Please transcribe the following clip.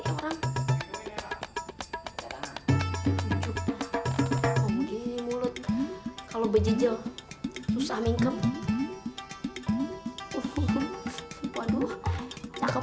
selamat menunggu hidup baru baru mulut kalau bejijil susah mingkep waduh cakep